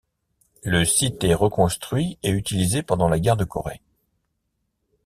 Le site est reconstruit et utilisé pendant la guerre de Corée.